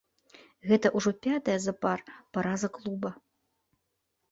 Гэта ўжо пятая запар параза клуба.